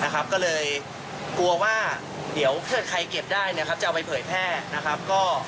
ก็เลยกลัวว่าเดี๋ยวถ้าเกิดใครเก็บได้จะเอาไปเผยแพร่นะครับ